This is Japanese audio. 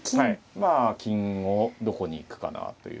まあ金をどこに行くかなという。